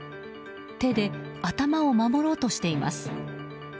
手で頭を守ろうとしています。